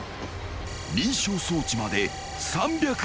［認証装置まで３００ｍ］